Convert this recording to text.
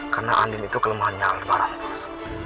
karena andin itu kelemahannya hal di barang bos